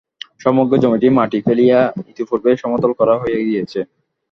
সমগ্র জমিটি মাটি ফেলিয়া ইতঃপূর্বেই সমতল করা হইয়া গিয়াছে।